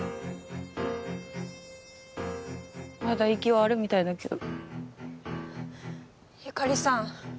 まだ息はあるみたいだけど由香里さん